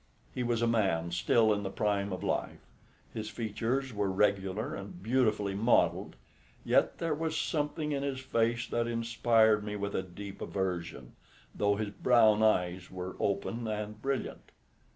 He was a man still in the prime of life. His features were regular and beautifully modelled; yet there was something in his face that inspired me with a deep aversion, though his brown eyes were open and brilliant.